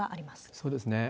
そうですね。